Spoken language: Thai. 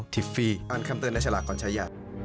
จับตาเตือนภัย